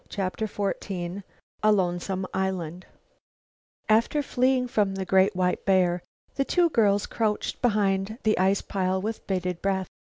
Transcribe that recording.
CHAPTER XIV A LONESOME ISLAND After fleeing from the great white bear, the two girls crouched behind the ice pile with bated breath.